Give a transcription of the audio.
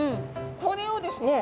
これをですね